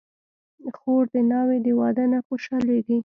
خور د ناوې د واده نه خوشحالېږي.